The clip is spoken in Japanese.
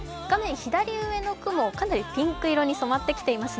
左上の雲、かなりピンク色に染まってきていますね。